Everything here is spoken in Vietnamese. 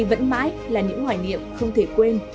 vẫn mãi là những ngoại niệm không thể quên